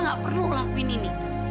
nggak perlu lakuin ini